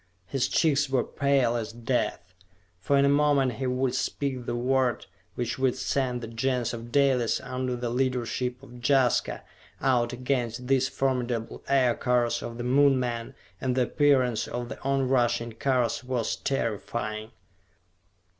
His cheeks were pale as death, for in a moment he would speak the word which would send the Gens of Dalis, under the leadership of Jaska, out against these formidable Aircars of the Moon men, and the appearance of the on rushing cars was terrifying.